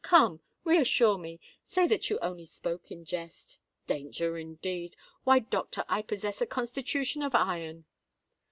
Come—reassure me: say that you only spoke in jest! Danger, indeed! Why, doctor, I possess a constitution of iron!"